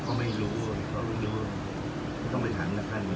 เขาไม่รู้อะเข้ารู้ไม่น่าต้องไปถังหน้าทางด้วย